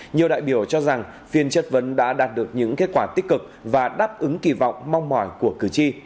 nhiều đại biểu cho rằng phiên chất vấn đã đạt được những kết quả tích cực và đáp ứng kỳ vọng mong mỏi của cử tri